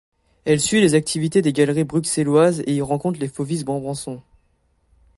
Elle suit les activités des galeries bruxelloises et y rencontre les fauvistes branbançons.